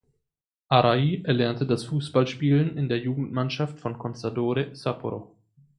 Arai erlernte das Fußballspielen in der Jugendmannschaft von Consadole Sapporo.